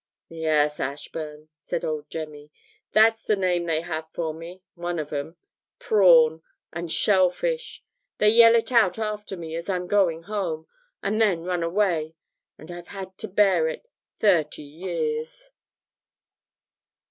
'Yes, Ashburn,' said old Jemmy, 'that's the name they have for me one of 'em. "Prawn" and "Shellfish" they yell it out after me as I'm going home, and then run away. And I've had to bear it thirty years.'